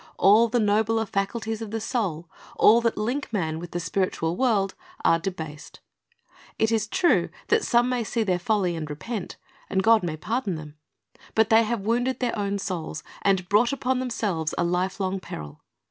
All the nobler faculties of the soul, all that link man with the spiritual world, are debased. It is true that some may see their folly and repent. God may pardon them. But they have wounded their own souls, and brought upon themselves a life long peril.